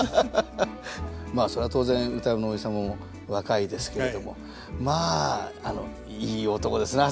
まあそれは当然歌右衛門のおじ様も若いですけれどもまあいい男ですね